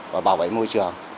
và bảo vệ môi trường